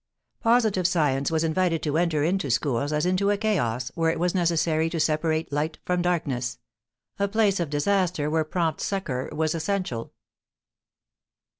Positive science was invited to enter into schools as into a chaos where it was necessary to separate light from darkness, a place of disaster where prompt succor was essential.